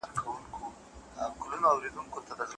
ټولي ورځي یې په ډنډ کي تېرولې